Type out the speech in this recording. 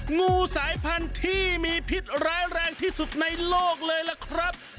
งูสายพันธุ์ที่มีพิษร้ายแรงที่สุดในโลกเลยล่ะครับ